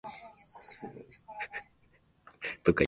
ふぇ ｒｖｆｒｖｊ きえ ｖ へ ｒｊｃｂ れ ｌｈｃ れ ｖ け ｒｊ せ ｒｋｖ じぇ ｓ